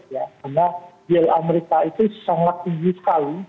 karena yield amerika itu sangat tinggi sekali